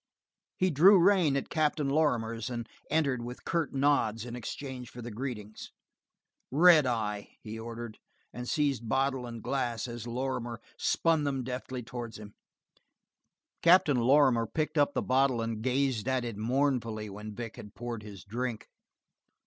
He drew rein at Captain Lorrimer's and entered with curt nods in exchange for the greetings. "Red eye," he ordered, and seized bottle and glass as Lorrimer spun them deftly towards him. Captain Lorrimer picked up the bottle and gazed at it mournfully when Vic had poured his drink.